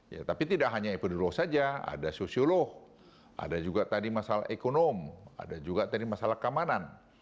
ya tapi tidak hanya epiderlo saja ada sosiolog ada juga tadi masalah ekonomi ada juga tadi masalah keamanan